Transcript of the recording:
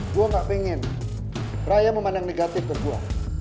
gua nggak pengen raya memandang negatif kedua